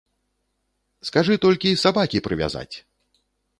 Скажы толькі сабакі прывязаць!